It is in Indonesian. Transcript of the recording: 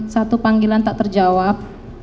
satu panggilan tak terjawab